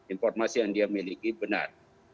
informasi yang dia miliki benar